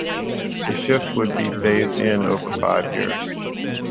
The shift would be phased in over five years.